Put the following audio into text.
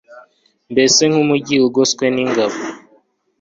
mbese nk'umugi ugoswe n'ingabo